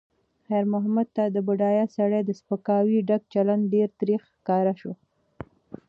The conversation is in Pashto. خیر محمد ته د بډایه سړي د سپکاوي ډک چلند ډېر تریخ ښکاره شو.